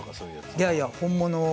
いやいや本物を。